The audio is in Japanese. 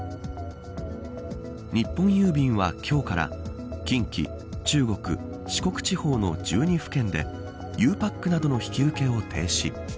日本郵便は今日から近畿、中国、四国地方の１２府県でゆうパックなどの引き受けを停止。